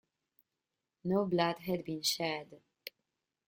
No blood had been shed.